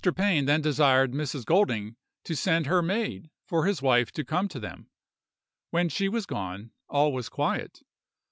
Pain then desired Mrs. Golding to send her maid for his wife to come to them. When she was gone, all was quiet.